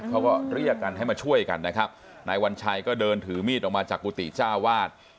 เขาก็เรียกกันให้มาช่วยกันนะครับนายวัญชัยก็เดินถือมีดออกมาจากกุฏิเจ้าวาด